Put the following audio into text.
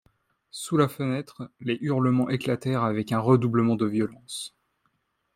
Sous la fenêtre, les hurlements éclatèrent avec un redoublement de violence.